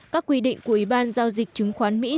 các quy định của ủy ban giao dịch chứng khoán mỹ